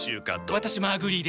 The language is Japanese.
私もアグリーです。